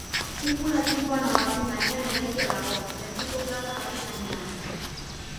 Kupula tinpano baten gainean eraikia dago, erdiko plaza baten gainean.